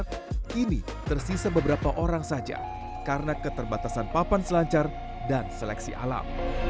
kini tersisa beberapa orang saja karena keterbatasan papan selancar dan seleksi alam